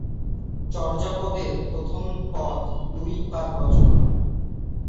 চর্যাপদের প্রথম পদ লুই পার রচনা।